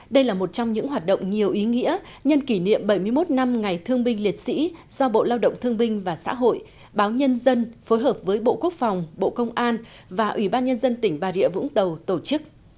đây là một trong những hoạt động nhiều ý nghĩa nhân kỷ niệm bảy mươi một năm ngày thương binh liệt sĩ do bộ lao động thương binh và xã hội báo nhân dân phối hợp với bộ quốc phòng bộ công an và ủy ban nhân dân tỉnh bà rịa vũng tàu tổ chức